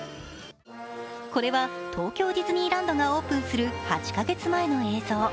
これは東京ディズニーランドがオープンする８か月前の映像。